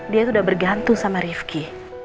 dia sudah bergantung sama rifki